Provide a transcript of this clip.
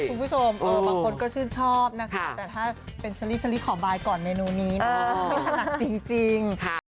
คุณผู้ชมเออบางคนก็ชื่นชอบนะคะแต่ถ้าเป็นเฉลี่ยขอบายก่อนเมนูนี้นะอื้อจริง